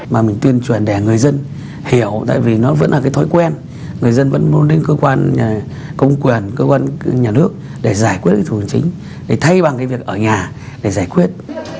mà mình tuyên truyền để người dân hiểu tại vì nó vẫn là cái thói quen người dân vẫn muốn đến cơ quan công quyền cơ quan nhà nước để giải quyết thủ tục hành chính để thay bằng cái việc ở nhà để giải quyết